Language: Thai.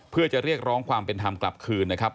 เพื่อจะเรียกร้องความเป็นธรรมกลับคืนนะครับ